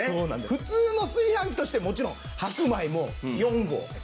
普通の炊飯器としてもちろん白米も４合炊く事もできます。